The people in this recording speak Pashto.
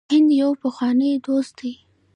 هند یو پخوانی دوست دی.